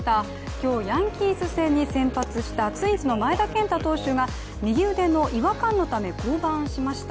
今日、ヤンキース戦に先発したツインズの前田健太投手が右腕の違和感のため降板しました。